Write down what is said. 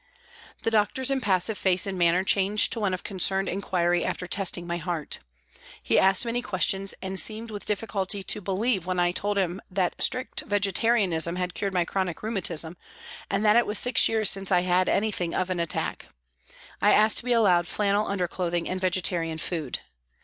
The doctor's impassive face and manner changed to one of concerned inquiry after testing my heart. He asked many questions, and seemed with difficulty to believe when I told him that strict vegetarianism had cured my chronic rheumatism and that it was six years since I had anything of an attack. I asked to be allowed flannel underclothing and vegetarian food.